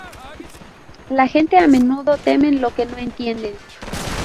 La gente a menudo temen lo que no entienden.